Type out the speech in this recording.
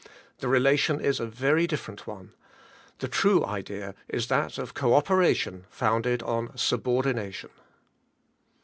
The relation is a very difEerent one. The true idea is that of co operation founded on subordination.